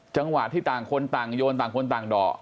จังหวะที่ต่างคนต่างโยนต่างคนต่างด่อ